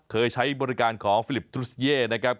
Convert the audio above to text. เคยใช้บริการของฟิลิปทุสเย่นะครับ